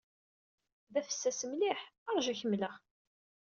D afessas mliḥ. Ṛju ad ak-mleɣ.